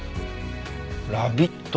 あっ。